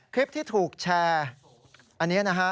คลิปที่ถูกแชร์อันนี้นะฮะ